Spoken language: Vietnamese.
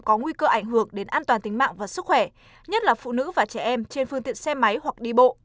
có nguy cơ ảnh hưởng đến an toàn tính mạng và sức khỏe nhất là phụ nữ và trẻ em trên phương tiện xe máy hoặc đi bộ